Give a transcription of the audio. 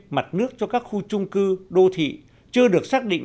mặt nước cho các khu trung cư đô thị chưa được xác định